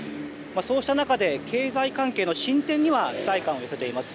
そうした中で経済関係の進展には期待感を寄せています。